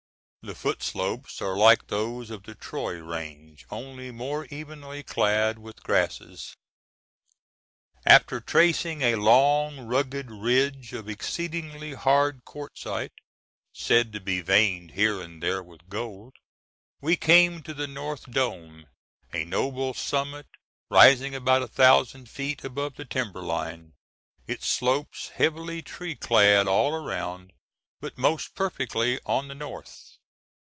The foot slopes are like those of the Troy range, only more evenly clad with grasses. After tracing a long, rugged ridge of exceedingly hard quartzite, said to be veined here and there with gold, we came to the North Dome, a noble summit rising about a thousand feet above the timberline, its slopes heavily tree clad all around, but most perfectly on the north.